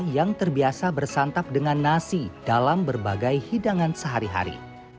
yang terbiasa bersantap dengan nasi dalam berbagai hidangan sehari hari